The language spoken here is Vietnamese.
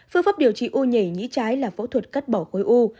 phương pháp điều trị u nhảy nhĩ trái là phẫu thuật cắt bỏ khối u